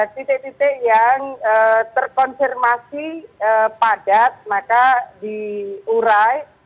titik titik yang terkonfirmasi padat maka diurai